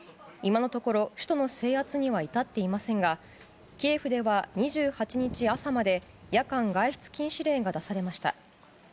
今のところ首都の制圧には至っていませんがキエフでは２８日朝まで夜間外出禁止令が出されました。